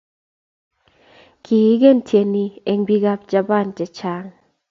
kingen tyeni eng bikap Japan chechang